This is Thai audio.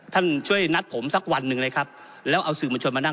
ท่านช่วยนัดผมสักวันหนึ่งเลยครับแล้วเอาสื่อมวลชนมานั่ง